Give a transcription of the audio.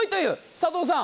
佐藤さん。